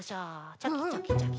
チョキチョキチョキ。